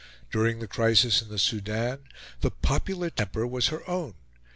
During the crisis in the Sudan, the popular temper was her own.